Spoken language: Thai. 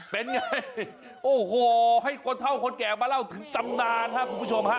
เป็นไงโอ้โหให้คนเท่าคนแก่มาเล่าถึงตำนานครับคุณผู้ชมฮะ